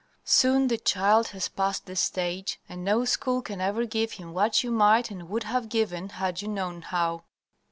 Soon the child has passed this stage, and no school can ever give him what you might and would have given had you known how.